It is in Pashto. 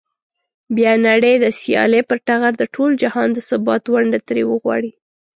بیا نړۍ د سیالۍ پر ټغر د ټول جهان د ثبات ونډه ترې وغواړي.